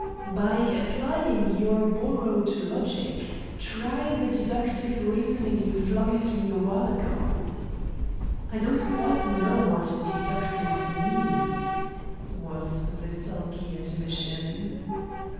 "By applying your borrowed logic. Try the deductive reasoning you flung at me a while ago." "I don't quite know what 'deductive' means," was the sulky admission.